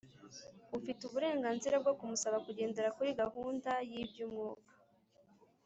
ufite uburenganzira bwo kumusaba kugendera kuri gahunda y iby umwuka